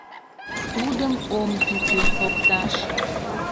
Тудым ом тӱкӧ покташ.